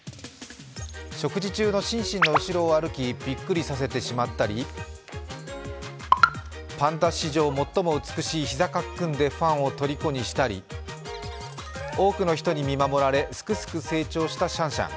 食事中のシンシンの後ろを歩き、びっくりさせてしまったり、パンダ史上最も美しい膝カックンでファンをとりこにしたり多くの人に見守られ、すくすく成長したシャンシャン。